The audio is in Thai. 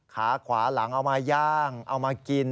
ขาขวาหลังเอามาย่างเอามากิน